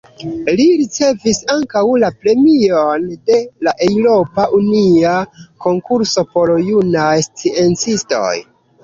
Li ricevis ankaŭ la Premion de la Eŭropa Unia Konkurso por Junaj Sciencistoj.